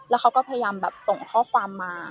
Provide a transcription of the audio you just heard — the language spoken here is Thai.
แล้วเขาก็พยายามแบบส่งข้อความมา